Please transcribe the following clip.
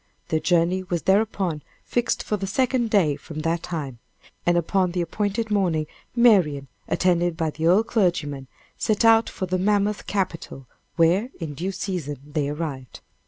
Their journey was thereupon fixed for the second day from that time. And upon the appointed morning Marian, attended by the old clergyman, set out for the mammoth capital, where, in due season, they arrived.